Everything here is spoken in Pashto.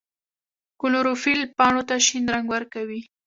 کلوروفیل پاڼو ته شین رنګ ورکوي